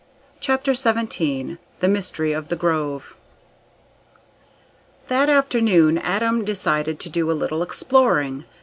CHAPTER XVII THE MYSTERY OF "THE GROVE" That afternoon Adam decided to do a little exploring.